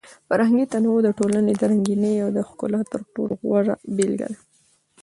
فرهنګي تنوع د ټولنې د رنګینۍ او د ښکلا تر ټولو غوره بېلګه ده.